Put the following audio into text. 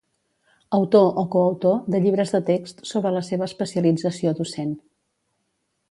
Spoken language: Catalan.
Autor o coautor de llibres de text sobre la seva especialització docent.